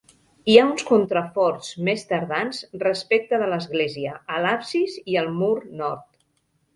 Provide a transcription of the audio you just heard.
Hi ha uns contraforts més tardans, respecte de l'església, a l'absis i al mur nord.